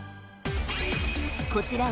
こちら